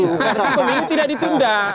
karena pemilu tidak ditunda